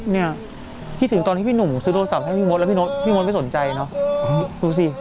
เนี่ยคิดถึงตอนที่พี่หนุ่มซื้อโทรศัพท์ให้พี่มดแล้วพี่มดไม่สนใจเนอะดูสิ